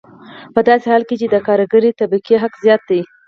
په داسې حال کې چې د کارګرې طبقې حق زیات دی